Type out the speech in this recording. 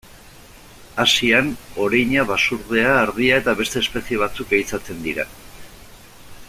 Asian, oreina, basurdea, ardia eta beste espezie batzuk ehizatzen dira.